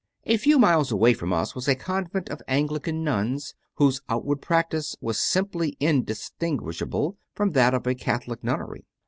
A few miles away from us was a convent of Angli can nuns whose outward practice was simply in distinguishable from that of a Catholic nunnery.